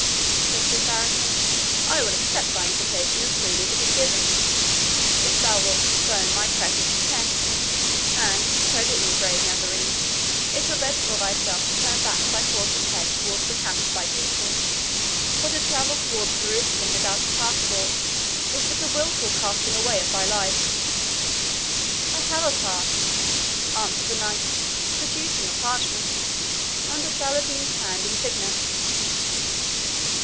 said the Saracen, "I will accept thy invitation as freely as it is given, if thou wilt postpone thy present intent; and, credit me, brave Nazarene, it were better for thyself to turn back thy horse's head towards the camp of thy people, for to travel towards Jerusalem without a passport is but a wilful casting away of thy life." "I have a pass," answered the Knight, producing a parchment, "Under Saladin's hand and signet."